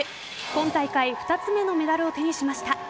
今大会２つ目のメダルを手にしました。